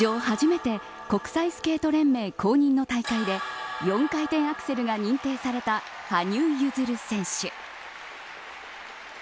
初めて国際スケート連盟公認の大会で４回転アクセルが認定された羽生結弦選手。